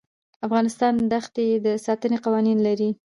افغانستان د ښتې د ساتنې لپاره قوانین لري.